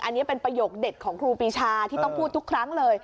อันนี้เป็นประโยคเด็ดของครูปีชาที่ต้องพูดทุกครั้งเลย